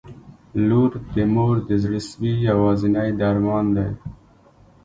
• لور د مور د زړسوي یوازینی درمان دی.